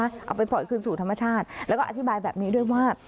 เอาไปปล่อยคืนสู่ธรรมชาติแล้วก็อธิบายแบบนี้ด้วยว่า